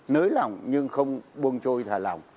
nới lỏng nhưng không buông trôi thả lỏng